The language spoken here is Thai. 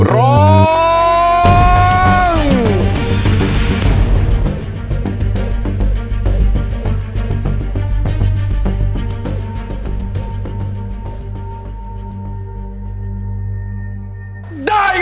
ร้อง